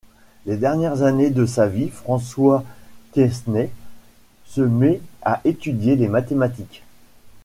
Les dernières années de sa vie, François Quesnay se met à étudier les mathématiques.